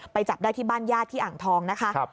จับได้ที่บ้านญาติที่อ่างทองนะคะ